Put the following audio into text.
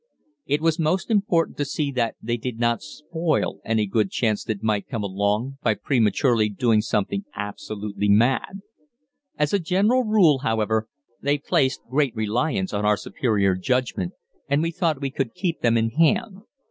It was most important to see that they did not spoil any good chance that might come along by prematurely doing something absolutely mad. As a general rule, however, they placed great reliance on our superior judgment, and we thought we could keep them in hand.